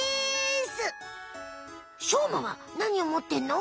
しょうまはなにをもってんの？